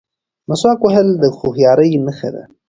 مسواک وهل د هوښیارۍ نښه ده.